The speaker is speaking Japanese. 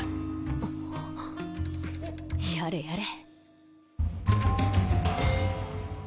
あやれやれ。